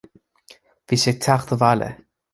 Bhí sé ag teacht abhaile